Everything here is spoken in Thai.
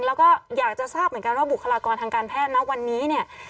แล้วก็อยากจะทราบเหมือนกันว่าบุคลากรทางการแพทย์นะวันนี้เนี่ย